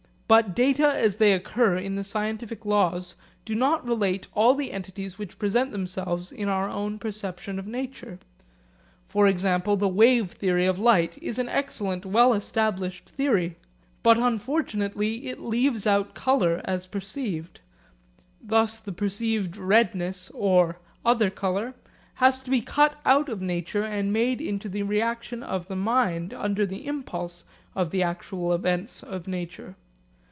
But data as they occur in the scientific laws do not relate all the entities which present themselves in our perception of nature. For example, the wave theory of light is an excellent well established theory; but unfortunately it leaves out colour as perceived. Thus the perceived redness or, other colour has to be cut out of nature and made into the reaction of the mind under the impulse of the actual events of nature.